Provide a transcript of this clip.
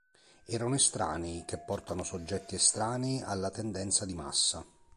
Erano estranei che portano soggetti estranei alla tendenza di massa".